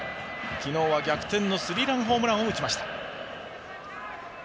昨日は逆転のスリーランホームランを打ちました。